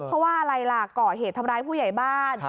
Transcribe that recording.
เพราะว่าอะไรล่ะก่อเหตุทำร้ายผู้ใหญ่บ้าน